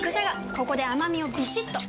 ここで甘みをビシッと！